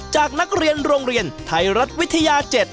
จากนักเรียนโรงเรียนไทยรัฐวิทยา๗